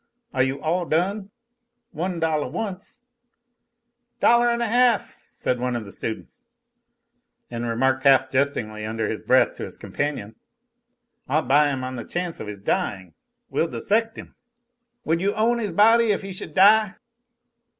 Are you all done? One dollah, once " "Dollah and a half," said one of the students, and remarked half jestingly under his breath to his companion, "I'll buy him on the chance of his dying. We'll dissect him." "Would you own his body if he should die?"